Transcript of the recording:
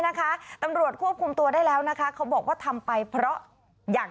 นะคะตำรวจควบคุมตัวได้แล้วนะคะเขาบอกว่าทำไปเพราะอย่าง